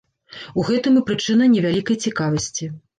У гэтым і прычына не вялікай цікавасці.